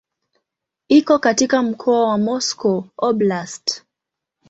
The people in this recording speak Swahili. Iko katika mkoa wa Moscow Oblast.